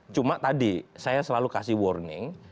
cuma tadi saya selalu kasih warning